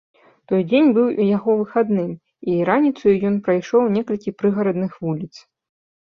Той дзень быў яго выхадным, і раніцаю ён прайшоў некалькі прыгарадных вуліц.